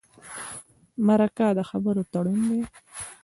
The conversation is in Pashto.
مرکه د خبرو تړون دی.